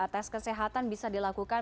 tes kesehatan bisa dilakukan